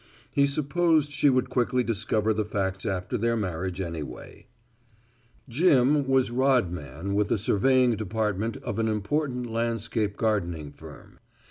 He supposed she would quickly discover the facts after their marriage anyway. Jim was rodman with the surveying department of an important landscape gardening firm.